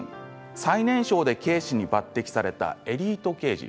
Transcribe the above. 最年少で警視に抜てきされたエリート刑事。